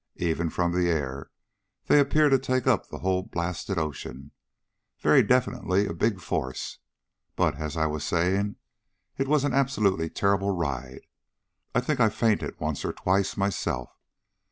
Even from the air they appear to take up the whole blasted ocean. Very definitely, a big force. But, as I was saying, it was an absolutely terrible ride. I think I fainted once or twice, myself.